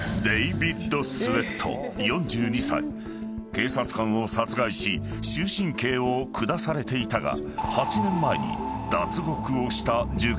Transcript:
［警察官を殺害し終身刑を下されていたが８年前に］